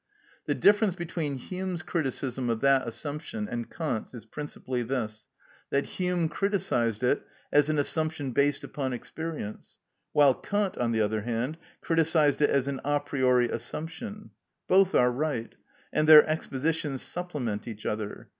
The difference between Hume's criticism of that assumption and Kant's is principally this, that Hume criticised it as an assumption based upon experience, while Kant, on the other hand, criticised it as an a priori assumption. Both are right, and their expositions supplement each other.